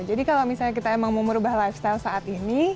jadi kalau misalnya kita emang mau merubah lifestyle saat ini